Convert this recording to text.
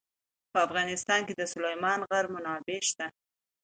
په افغانستان کې د سلیمان غر منابع شته.